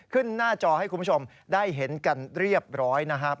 หน้าจอให้คุณผู้ชมได้เห็นกันเรียบร้อยนะครับ